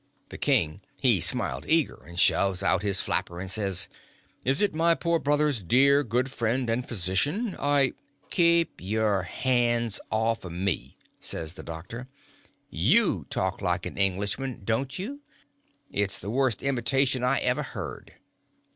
The king he smiled eager, and shoved out his flapper, and says: "Is it my poor brother's dear good friend and physician? I—" "Keep your hands off of me!" says the doctor. "You talk like an Englishman, don't you? It's the worst imitation I ever heard.